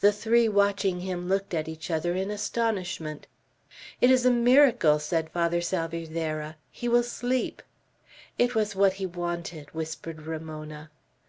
The three watching him looked at each other in astonishment. "It is a miracle," said Father Salvierderra. "He will sleep." "It was what he wanted!" whispered Ramona.